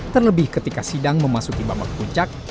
terlebih ketika sidang memasuki babak puncak